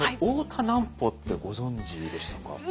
大田南畝ってご存じでしたか？